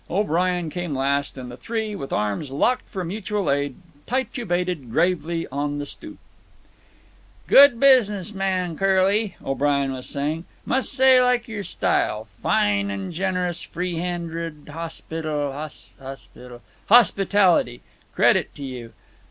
O'Brien came last, and the three, with arms locked for mutual aid, titubated gravely on the stoop. "Good business man, Curly," O'Brien was saying. "Must say like your style—fine an' generous, free handed hospital ... hospital ... hospitality. Credit to you.